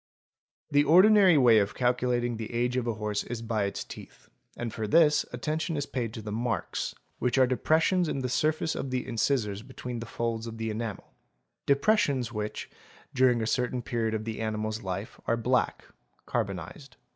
The ordinary way of calculating the age of a horse is by its teeth, — and for this attention is paid to the marks, which are depressions in the HORSE FRAUDS 807 surface of the incisors between the folds of the enamel; depressions "1% which, during a certain period of the animal's life, are black (carbonised).